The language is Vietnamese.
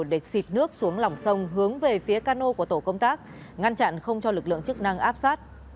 để xịt nước xuống lỏng sông hướng về phía cano của tổ công tác ngăn chặn không cho lực lượng chức năng áp sát